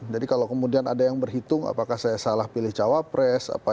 jadi kalau kemudian ada yang berhitung apakah saya salah pilih cawapres